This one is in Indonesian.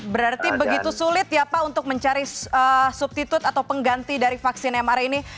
berarti begitu sulit ya pak untuk mencari subtitut atau pengganti dari vaksin mr ini